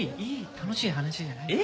楽しい話じゃないから。